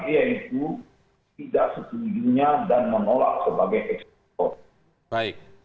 yaitu tidak setujunya dan menolak sebagai eksekutor